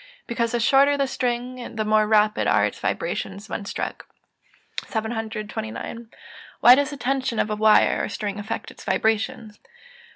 _ Because the shorter the string the more rapid are its vibrations when struck. 729. _Why does the tension of a wire or string affect its vibrations?